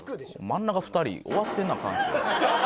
真ん中２人終わってんな感性。